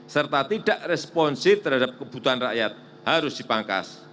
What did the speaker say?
serta tidak responsif terhadap kebutuhan rakyat harus dipangkas